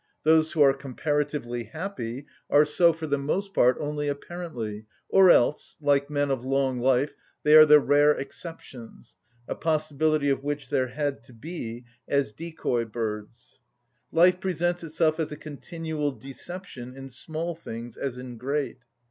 Those who are comparatively happy are so, for the most part, only apparently, or else, like men of long life, they are the rare exceptions, a possibility of which there had to be,—as decoy‐birds. Life presents itself as a continual deception in small things as in great.